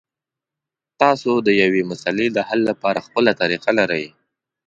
تاسو د یوې مسلې د حل لپاره خپله طریقه لرئ.